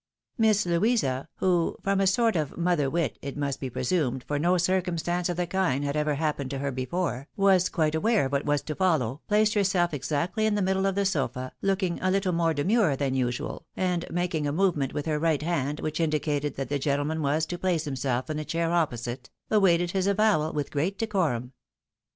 Miss Louisa, who (from a sort of " mother wit," it must be presumed, for no circumstance of the kind had ever happened to her before) was quite aware of what was to follow, placed her self eicactly in the middle of the sofa, looking a Uttle more demure than usual, and making a movement with her right hand, which indicated that the gentleman was to place himself in a chair opposite, awaited his avowal with great decorum.